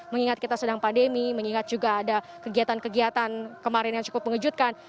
mengingat kita sedang pandemi mengingat juga ada kegiatan kegiatan kemarin yang cukup mengejutkan